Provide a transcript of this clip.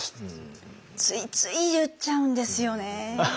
ついつい言っちゃうんですよね。